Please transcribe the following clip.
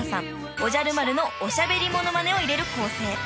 おじゃる丸のおしゃべりモノマネを入れる構成］